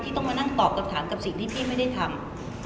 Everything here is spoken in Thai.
ต้องมานั่งตอบคำถามกับสิ่งที่พี่ไม่ได้ทำ